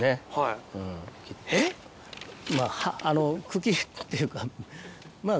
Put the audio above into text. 茎っていうか。